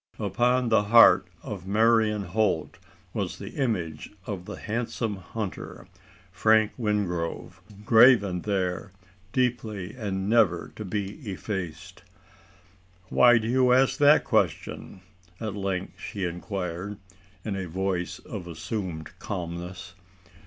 Upon the heart of Marian Holt was the image of the handsome hunter Frank Wingrove graven there, deeply and never to be effaced. "Why do you ask that question?" at length she inquired, in a voice of assumed calmness.